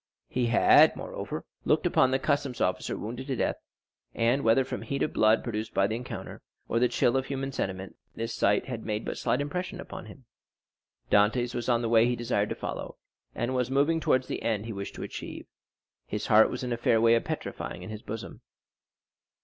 He had, moreover, looked upon the customs officer wounded to death, and, whether from heat of blood produced by the encounter, or the chill of human sentiment, this sight had made but slight impression upon him. Dantès was on the way he desired to follow, and was moving towards the end he wished to achieve; his heart was in a fair way of petrifying in his bosom.